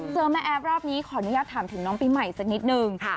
เจอแม่แอฟรอบนี้ขออนุญาตถามถึงน้องปีใหม่สักนิดนึง